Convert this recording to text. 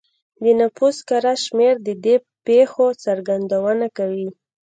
د نفوس کره شمېر د دې پېښو څرګندونه کوي